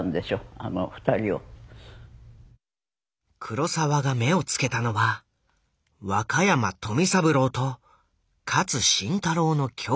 黒澤が目をつけたのは若山富三郎と勝新太郎の兄弟。